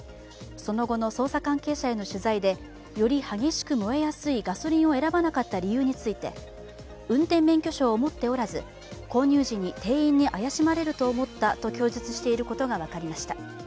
その後の捜査関係者への取材で、より激しく燃えやすいガソリンを選ばなかった理由について運転免許証を持っておらず、購入時に店員に怪しまれると思ったと供述していることが分かりました。